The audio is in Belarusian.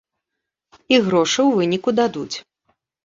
І грошы ў выніку дадуць.